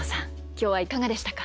今日はいかがでしたか。